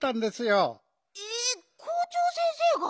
えっ校長先生が？